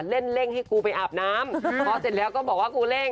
เล่นเร่งให้กูไปอาบน้ำพอเสร็จแล้วก็บอกว่ากูเร่ง